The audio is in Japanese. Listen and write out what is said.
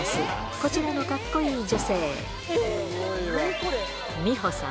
こちらのかっこいい女性、美保さん